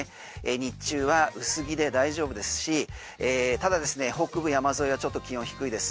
日中は薄着で大丈夫ですしただ北部山沿いはちょっと気温低いです。